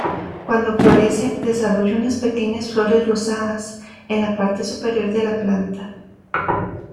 Cuando florece desarrolla unas pequeñas flores rosadas en la parte superior de la planta.